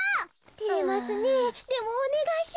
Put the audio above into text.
てれますねえでもおねがいします。